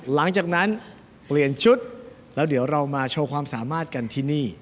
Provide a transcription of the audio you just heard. หลังจากนั้นเปลี่ยนชุดแล้วเดี๋ยวเรามาโชว์ความสามารถกันที่นี่